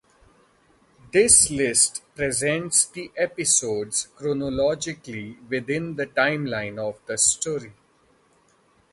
This list presents the episodes chronologically within the timeline of the story.